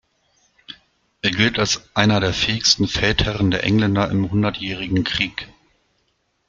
Er gilt als einer der fähigsten Feldherren der Engländer im Hundertjährigen Krieg.